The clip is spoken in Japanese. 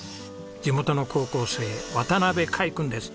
地元の高校生渡辺開伊君です。